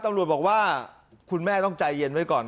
ตำรวจบอกว่าคุณแม่ต้องใจเย็นไว้ก่อน